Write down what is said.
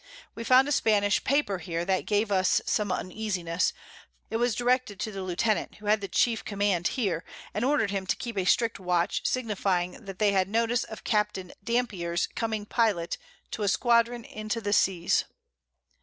We found a Spanish Paper here, that gave us some Uneasiness; it was directed to the Lieutenant who had the chief Command here, and orderd him to keep a strict Watch, signifying that they had notice of Capt. Dampier's coming Pilot to a Squadron into these Seas.